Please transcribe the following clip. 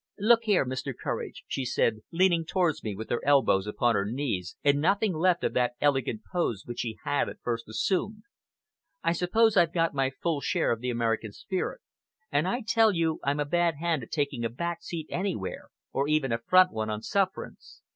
"Look here, Mr. Courage," she said, leaning towards me with her elbows upon her knees, and nothing left of that elegant pose which she had at first assumed. "I suppose I've got my full share of the American spirit, and I tell you I'm a bad hand at taking a back seat anywhere, or even a front one on sufferance.